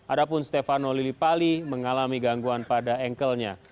adapun stefano lillipali mengalami gangguan pada ankelnya